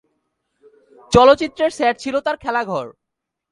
চলচ্চিত্রের সেট ছিলো তার খেলাঘর।